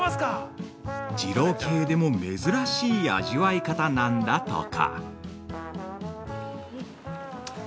二郎系でも珍しい味わい方なんだとか。